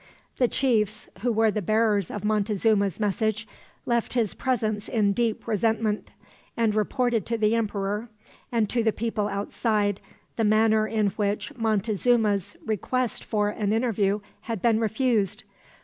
The chiefs, who were the bearers of Montezuma's message, left his presence in deep resentment; and reported to the emperor, and to the people outside, the manner in which Montezuma's request for an interview had been refused.